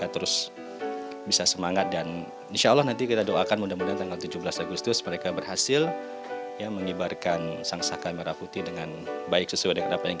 terus jangan bikin pelatih marah pastinya